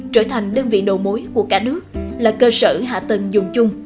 trở thành đơn vị đầu mối của cả nước là cơ sở hạ tầng dùng chung